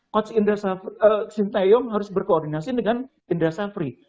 koci indra safri sin tayong harus berkoordinasi dengan indra safri